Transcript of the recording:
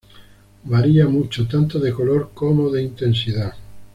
Varía mucho tanto de color como de intensidad.